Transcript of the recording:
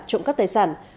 trộm các tài sản